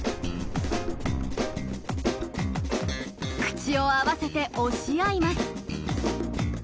口を合わせて押し合います。